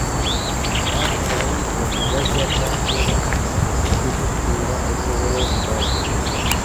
Abaana mubawulidde nti bajja kwongera okugifukirira esobole okubala.